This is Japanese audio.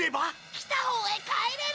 来たほうへ帰れる！